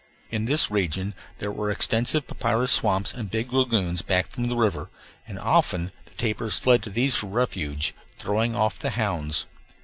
In this region there were extensive papyrus swamps and big lagoons, back from the river, and often the tapirs fled to these for refuge, throwing off the hounds.